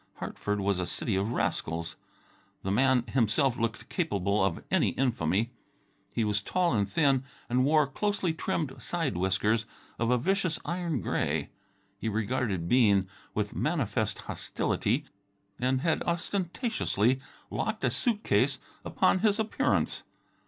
Hartford was a city of rascals. The man himself looked capable of any infamy. He was tall and thin, and wore closely trimmed side whiskers of a vicious iron gray. He regarded Bean with manifest hostility and had ostentatiously locked a suit case upon his appearance.